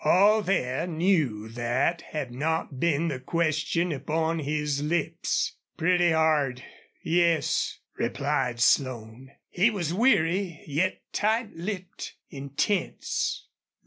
All there knew that had not been the question upon his lips. "Pretty hard yes," replied Slone. He was weary, yet tight lipped, intense.